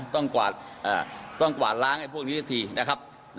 ต้องกวาดล้างไอ้พวกนี้สักทีนะครับ